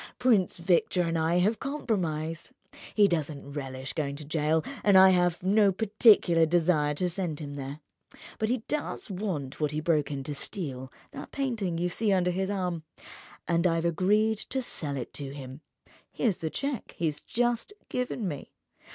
Prince Victor and I have compromised. He doesn't relish going to jail, and I've no particular desire to send him there. But he does want what he broke in to steal—that painting you see under his arm—and I've agreed to sell it to him. Here's the cheque he has just given me.